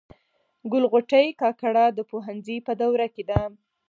ګل غوټۍ کاکړه د پوهنځي په دوره کي ده.